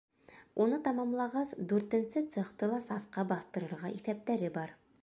Уны тамамлағас, дүртенсе цехты ла сафҡа баҫтырырға иҫәптәре бар.